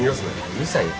うるさいよ。